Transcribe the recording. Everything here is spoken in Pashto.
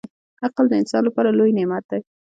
• عقل د انسان لپاره لوی نعمت دی.